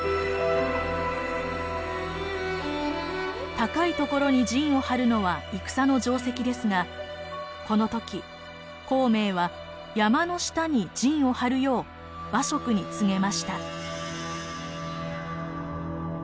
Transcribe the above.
高いところに陣を張るのは戦の定石ですがこの時孔明は山の下に陣を張るよう馬謖に告げました。